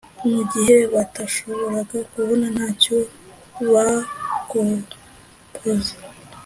mu gihe batashoboraga kubona ntacyo bakopze